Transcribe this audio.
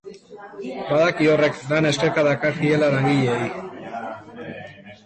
Badaki horrek lan eskerka dakarkiela langileei.